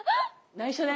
ないしょね。